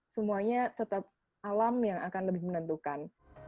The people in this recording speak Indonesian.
semuanya tetap alam yang akan lebih menentukan